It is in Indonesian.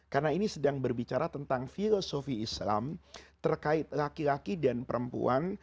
karena ini sedang berbicara tentang filosofi islam terkait laki laki dan perempuan